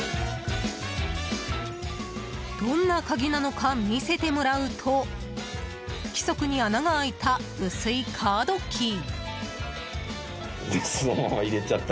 どんな鍵なのか見せてもらうと不規則に穴が開いた薄いカードキー。